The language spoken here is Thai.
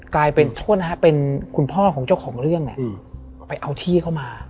กลายเป็นท่วนเป็นคุณพ่อของเจ้าของเรื่องไปเอาที่เข้ามา